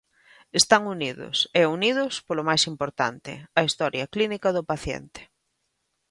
Están unidos, e unidos polo máis importante: a historia clínica do paciente.